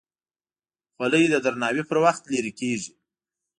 خولۍ د درناوي پر وخت لرې کېږي.